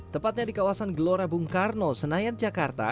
tepatnya di kawasan gelora bung karno senayan jakarta